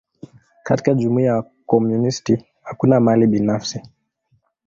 Katika jumuia ya wakomunisti, hakuna mali binafsi.